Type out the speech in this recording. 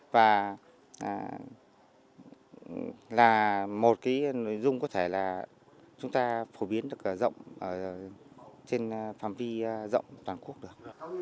và là một cái nội dung có thể là chúng ta phổ biến được rộng trên phạm vi rộng toàn quốc được